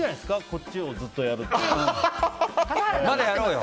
こっちをずっとやるっていう。